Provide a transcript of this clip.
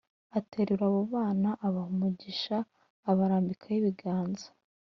aterura abo bana abaha umugisha abarambikaho ibiganza